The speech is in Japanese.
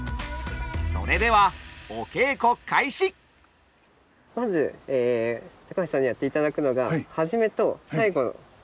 それではまず高橋さんにやっていただくのがはい。